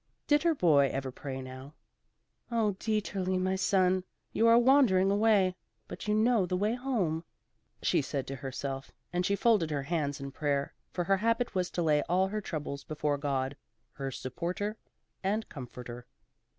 Did her boy ever pray now? "Oh, Dieterli, my son, you are wandering away, but you know the way home," she said to herself, and she folded her hands in prayer, for her habit was to lay all her troubles before God, her Supporter and Comforter.